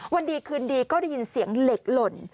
วันดีคืนดีก็ได้ยินเสียงเหล็กหล่น